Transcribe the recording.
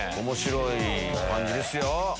面白い感じですよ。